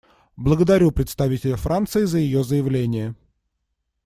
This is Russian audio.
Благодарю представителя Франции за ее заявление.